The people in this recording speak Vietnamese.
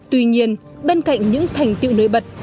tuy nhiên bên cạnh những thành tựu nổi bật